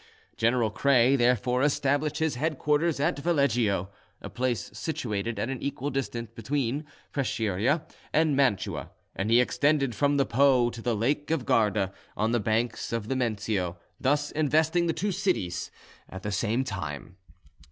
General Kray therefore established his headquarters at Valeggio, a place situated at an equal distance between Preschiera and Mantua, and he extended from the Po to the lake of Garda, on the banks of the Mencio, thus investing the two cities at the same time.